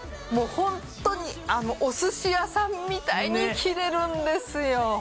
もうホントにおすし屋さんみたいに切れるんですよ」